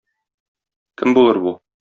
Кем булыр бу?